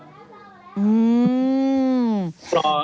อืม